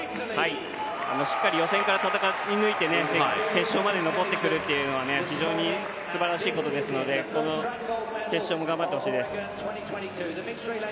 しっかり予選から戦い抜いて決勝まで残ってくるっていうのは非常にすばらしいことですのでこの決勝も頑張ってほしいです。